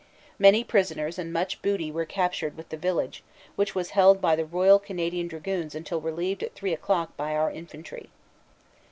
Many prisoners and much booty were captured with the village, which was held by the R.C.D s until relieved at three o clock by our infantry.